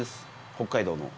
北海道の。